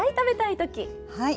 はい。